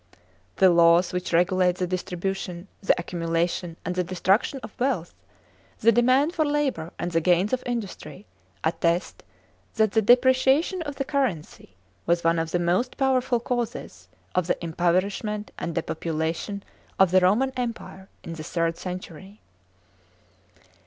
" The laws which regulate the distribution, the accumulation, and the destruction of wealth, the demand for labour and the gains of industry, attest that the depreciation of the currency was one of the most powerful causes of the impoverishment and depopulation of the Roman empire in the third century."